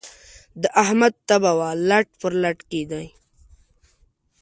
د احمد تبه وه؛ لټ پر لټ کېدی.